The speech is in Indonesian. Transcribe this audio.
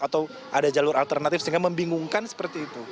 atau ada jalur alternatif sehingga membingungkan seperti itu